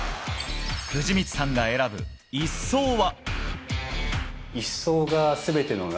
藤光さんが選ぶ１走は？